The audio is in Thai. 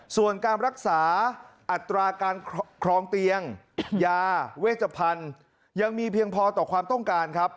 ส่วนการรักษาอัตราการครองเตียงยาเวชพันธุ์ยังมีเพียงพอต่อความต้องการครับ